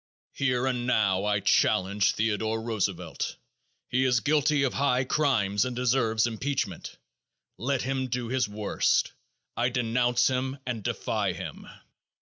Here and now I challenge Theodore Roosevelt. He is guilty of high crimes and deserves impeachment. Let him do his worst. I denounce him and defy him.